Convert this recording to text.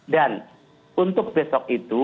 dan untuk besok itu